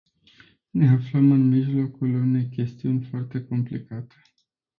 Ne aflăm în mijlocul unei chestiuni foarte complicate.